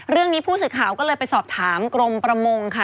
เรื่องนี้ผู้สื่อข่าวก็เลยไปสอบถามกรมประมงค่ะ